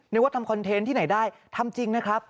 นึกว่าทำคอนเทนต์ที่ไหนได้ทำจริงนะครับ